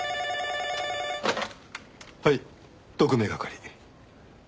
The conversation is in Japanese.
はい特命係。